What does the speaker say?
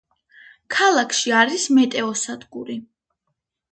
ქალაქში არის მეტეოსადგური.